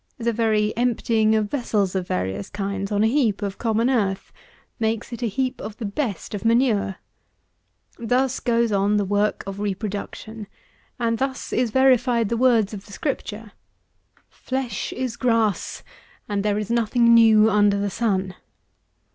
The very emptying of vessels of various kinds, on a heap of common earth, makes it a heap of the best of manure. Thus goes on the work of reproduction; and thus is verified the words of the Scripture, "Flesh is grass, and there is nothing new under the sun."